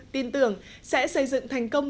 tin tưởng sẽ xây dựng thành công